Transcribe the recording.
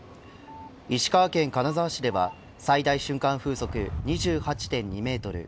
石川県金沢市では最大瞬間風速２８．２メートル